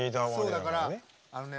そうだからあのね